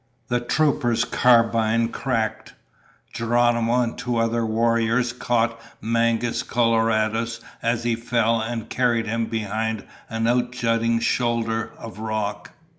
The trooper's carbine cracked. Geronimo and two other warriors caught Mangus Coloradus as he fell and carried him behind an outjutting shoulder of rock.